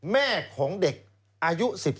แม่ของเด็กอายุ๑๔